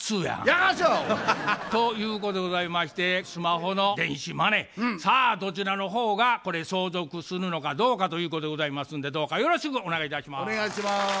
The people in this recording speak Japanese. やかましいわ！ということでございましてスマホの電子マネーさあどちらの方がこれ相続するのかどうかということでございますんでどうかよろしくお願いいたします。